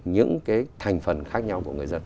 những cái thành phần khác nhau của người dân